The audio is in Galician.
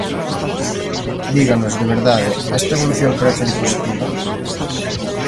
Díganos, de verdade: ¿esta evolución parécelle positiva?